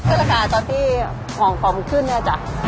เมื่อก่อนตอนที่ของพร้อมขึ้นเนี่ยจ้ะ